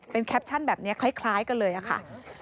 แคปชั่นแบบนี้คล้ายกันเลยค่ะ